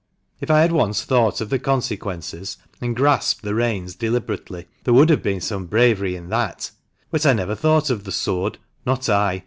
If I had once thought of consequences and grasped the reins deliberately, there would have been some bravery in that. But I never thought of the sword, not I.